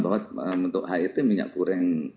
bahwa untuk het minyak goreng